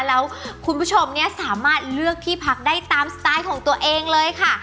แล้วคุณผู้ชมเนี่ยสามารถเลือกที่พักได้ตามสไตล์ของตัวเองเลยค่ะ